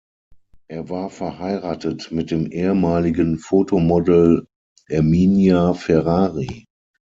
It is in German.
Er war verheiratet mit dem ehemaligen Fotomodel Erminia Ferrari.